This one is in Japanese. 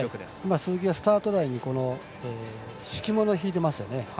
鈴木はスタート台に敷き物を敷いてますよね。